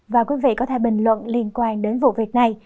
và quý vị có thể bình luận liên quan đến vụ việc này